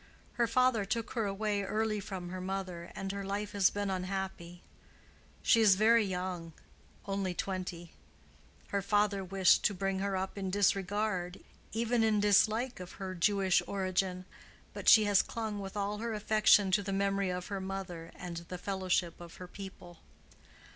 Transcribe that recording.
"Her father took her away early from her mother, and her life has been unhappy. She is very young—only twenty. Her father wished to bring her up in disregard—even in dislike of her Jewish origin, but she has clung with all her affection to the memory of her mother and the fellowship of her people."